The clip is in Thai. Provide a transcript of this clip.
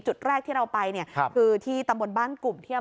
จุดแรกที่เราไปเนี่ยคือที่ตำบลบ้านกลุ่มเที่ยม